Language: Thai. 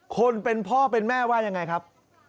คนเป็นพ่อเป็นแม่ว่ายังไงครับ